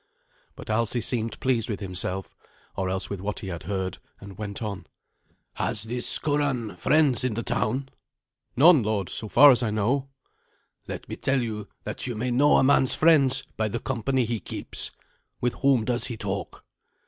But Alsi seemed pleased with himself, or else with what he had heard, and went on. "Has this Curan friends in the town?" "None, lord, so far as I know." "Let me tell you that you may know a man's friends by the company he keeps. With whom does he talk?"